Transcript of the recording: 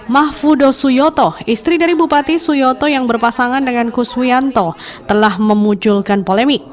mahfuddo suyoto istri dari bupati suyoto yang berpasangan dengan kusuyanto telah memujulkan polemik